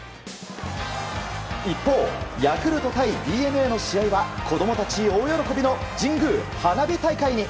一方ヤクルト対ＤｅＮＡの試合は子供たち大喜びの神宮花火大会に。